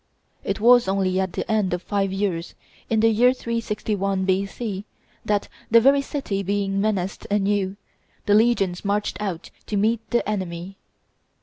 It was only at the end of five years, in the year 361 B.C., that, the very city being menaced anew, the legions marched out to meet the enemy.